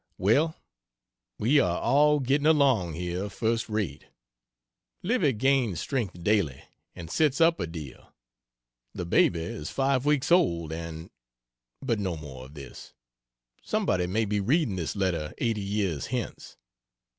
Well, we are all getting along here first rate; Livy gains strength daily, and sits up a deal; the baby is five weeks old and but no more of this; somebody may be reading this letter 80 years hence.